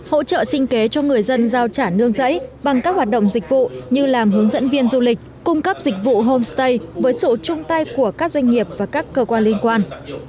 hỗ trợ sinh kế cho người dân giao trả nương giấy bằng các hoạt động dịch vụ như làm hướng dẫn viên du lịch cung cấp dịch vụ homestay với sự chung tay của các doanh nghiệp và các cơ quan liên quan